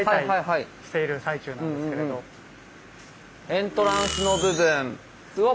エントランスの部分うわ